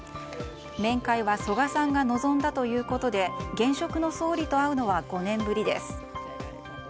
面会は曽我さんが望んだということで現職の総理と会うのは５年ぶりです。